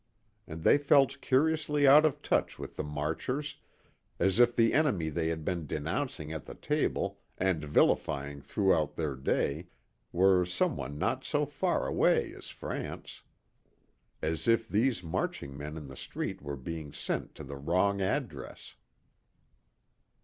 And they felt curiously out of touch with the marchers, as if the enemy they had been denouncing at the table and vilifying throughout their day were someone not so far away as France. As if these marching men in the street were being sent to the wrong address.